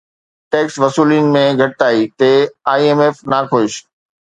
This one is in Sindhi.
ٽيڪس وصولين ۾ گهٽتائي تي اي ايم ايف ناخوش